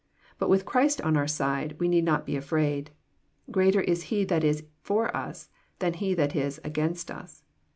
But with Christ on our side, we need not be afraid. Greater is He that is for us than he that is against us.